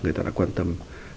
người ta đã quan tâm